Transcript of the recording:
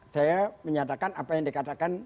saya menyatakan apa yang dikatakan